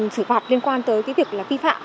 xử phạt liên quan tới cái việc là vi phạm